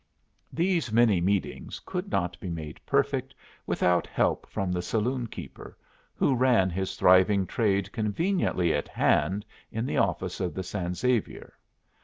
These many meetings could not be made perfect without help from the saloon keeper, who ran his thriving trade conveniently at hand in the office of the San Xavier.